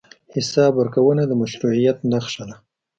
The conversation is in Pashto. حساب ورکونه د مشروعیت نښه ده.